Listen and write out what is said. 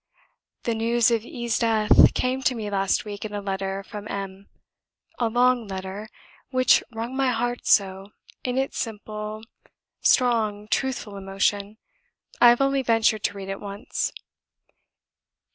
"The news of E 's death came to me last week in a letter from M ; a long letter, which wrung my heart so, in its simple, strong, truthful emotion, I have only ventured to read it once.